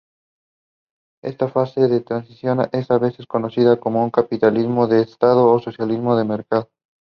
Esta fase de transición es a veces conocida como "Capitalismo de Estado"o"Socialismo de mercado".